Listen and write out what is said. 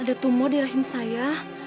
ada tumor di rahim saya